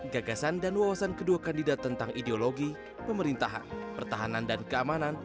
gagasan dan wawasan kedua kandidat tentang ideologi pemerintahan pertahanan dan keamanan